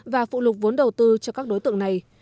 và phụ lục vốn đầu tư cho các đối tượng này